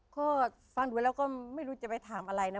ก็ฟังดูแล้วก็ไม่รู้จะไปถามอะไรนะ